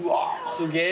すげえ。